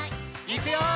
「いくよー！」